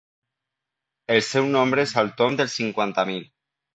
El seu nombre és al tomb dels cinquanta mil.